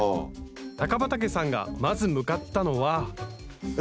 高畠さんがまず向かったのはえ？